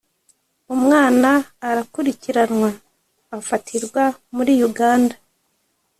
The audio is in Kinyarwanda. umwana arakurikiranwa afatirwa muri Uganda